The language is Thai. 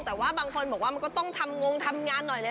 แต่ว่าบางคนบอกว่ามันก็ต้องทำงงทำงานหน่อยเลย